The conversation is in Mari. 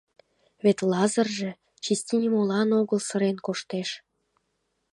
Вет Лазырже чисти нимолан огыл сырен коштеш.